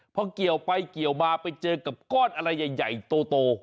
พอเกี่ยวไปเกี่ยวมาไปเจอกับก้อนอะไรใหญ่โต